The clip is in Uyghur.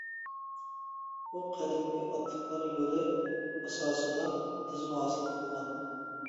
ئۇ قەدىمكى ئاتلىقلار يولى ئاساسىدا تىزما ھاسىل قىلغان.